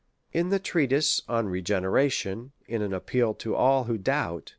In the Treatise on Regeneration, in an Appeal to all who doubt, &c.